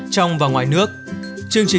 trong và ngoài nước chương trình